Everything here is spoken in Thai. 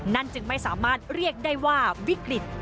จึงไม่สามารถเรียกได้ว่าวิกฤต